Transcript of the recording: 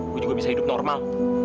gue juga bisa hidup normal